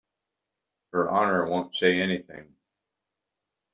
Her Honor won't say anything.